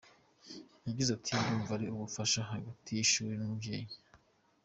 Yagize ati “Ndumva ari ubufasha hagati y’ishuri n’umubyeyi.